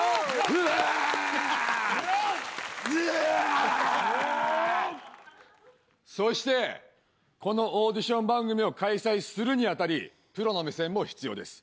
うわああっそしてこのオーディション番組を開催するにあたりプロの目線も必要です